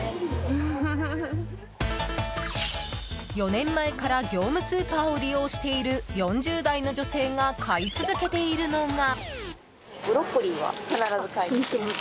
４年前から業務スーパーを利用している４０代の女性が買い続けているのが。